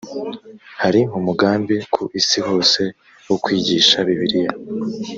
hari umugambi ku isi hose wo kwigisha bibiliya